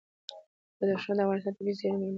بدخشان د افغانستان د طبیعي زیرمو برخه ده.